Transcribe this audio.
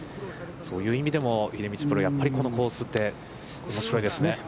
そういう意味でも秀道プロ、やっぱりこのコースっておもしろいですね。